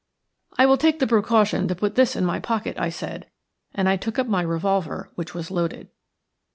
"I will take the precaution to put this in my pocket," I said, and I took up my revolver, which was loaded.